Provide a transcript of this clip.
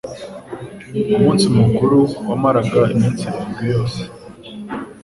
Umunsi mukuru wamaraga iminsi irindwi yose;